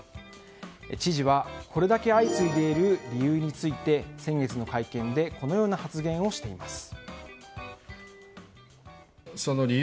知事は、これだけ相次いでいる理由について先月の会見でこのような発言をしています。